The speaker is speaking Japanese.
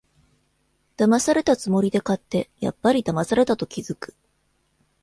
だまされたつもりで買って、やっぱりだまされたと気づく